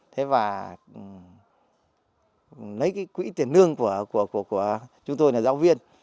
thế và lấy cái quỹ tiền lương của chúng tôi là giáo viên